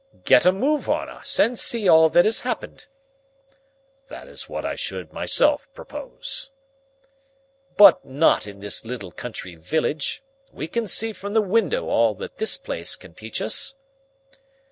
"Get a move on us and see all that has happened." "That is what I should myself propose." "But not in this little country village. We can see from the window all that this place can teach us."